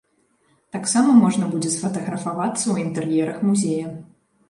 Таксама можна будзе сфатаграфавацца ў інтэр'ерах музея.